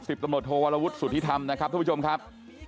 ตำรวจโทวรวุฒิสุธิธรรมนะครับทุกผู้ชมครับ